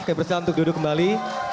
kami berusaha untuk duduk kembali